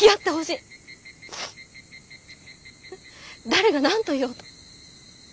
誰が何と言おうと。